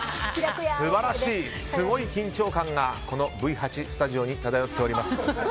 素晴らしいすごい緊張感がこのＶ８スタジオに漂っております。